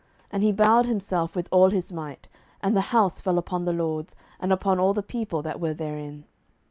And he bowed himself with all his might; and the house fell upon the lords, and upon all the people that were therein.